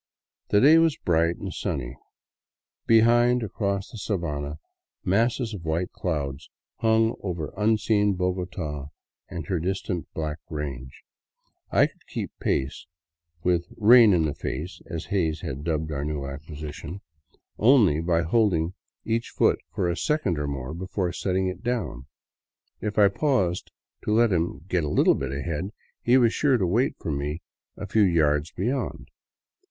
The day was bright and sunny. Behind, across the sabana, masses of white clouds hung over unseen Bogota and her distant black range. I could keep pace with " Rain in the Face," as Hays had dubbed our new acquisition, only by 45 VAGABONDING DOWN THE ANDES holding each foot a second or more before setting it down. If I paused to let him get a bit ahead, he was sure to wait for me a few yards beyond.